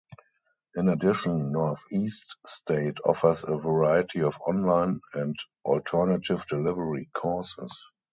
In addition, Northeast State offers a variety of online and alternative delivery courses.